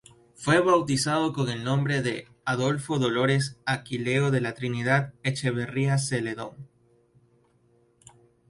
Fue bautizado con el nombre de "Adolfo Dolores Aquileo de la Trinidad Echeverría Zeledón".